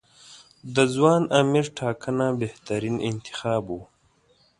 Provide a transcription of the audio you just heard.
د ځوان امیر ټاکنه بهترین انتخاب و.